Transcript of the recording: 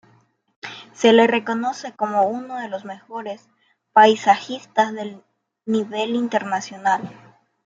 Se le reconoce como uno de los mejores paisajistas de nivel internacional.